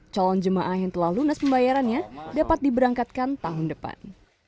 calon jemaah yang telah lunas pembayarannya dapat diberangkatkan tahun depan